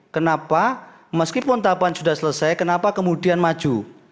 kenapa meskipun tahapan sudah selesai kenapa kemudian maju